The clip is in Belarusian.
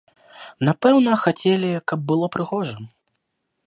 Напэўна, хацелі, каб было прыгожа.